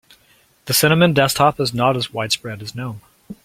The cinnamon desktop is not as widespread as gnome.